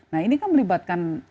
nah ini kan melibatkan